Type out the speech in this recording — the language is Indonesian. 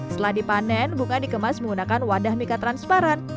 setelah dipanen bunga dikemas menggunakan wadah mika transparan